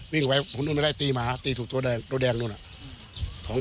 ตีแล้วคุณไปดูไม่ได้ตีตีถูกตัวแดงตัวแดงนู้นอ่ะ